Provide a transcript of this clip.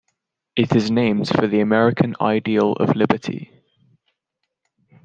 It is named for the American ideal of liberty.